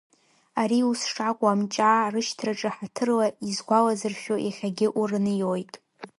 Ари ус шакәу Амҷаа рышьҭраҿы ҳаҭырла изгәалазыршәо иахьагьы урыниоит.